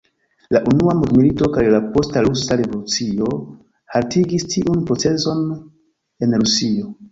La unua mondmilito kaj la posta rusa revolucio haltigis tiun proceson en Rusio.